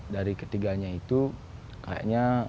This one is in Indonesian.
dari ketiganya itu kayaknya